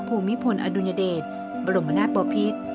ภูมิพลอดุญเดตะปรมงาดบอพิตร